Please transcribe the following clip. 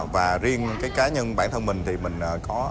và riêng cái cá nhân bản thân mình thì mình có ấn tượng